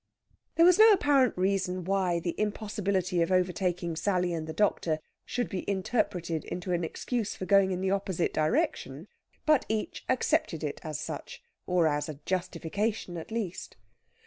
There was no apparent reason why the impossibility of overtaking Sally and the doctor should be interpreted into an excuse for going in the opposite direction; but each accepted it as such, or as a justification at least.